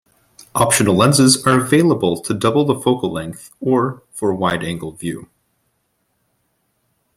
Optional lenses are available to double the focal length or for wide-angle view.